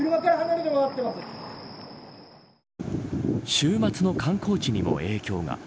週末の観光地にも影響が。